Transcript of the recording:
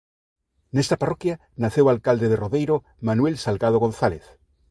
Nesta parroquia naceu o alcalde de Rodeiro Manuel Salgado González.